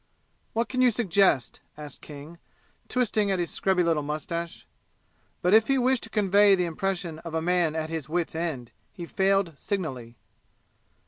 "What can you suggest?" asked King, twisting at his scrubby little mustache. But if he wished to convey the impression of a man at his wits' end, he failed signally.